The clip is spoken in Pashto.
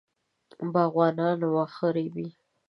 باغوانان واښه رېبي.